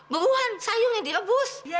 buruan sayungnya direbus